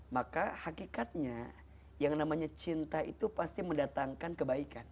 maka hakikatnya yang namanya cinta itu pasti mendatangkan kebaikan